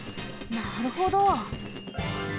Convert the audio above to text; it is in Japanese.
なるほど！